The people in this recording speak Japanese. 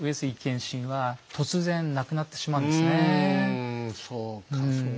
実はねうんそうかそうか。